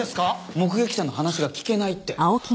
目撃者の話が聞けないって。